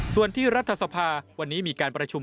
ส่วนที่รัฐสภาวันนี้มีการประชุม